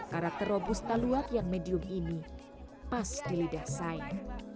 karena terobos taluak yang medium ini pas di lidah saya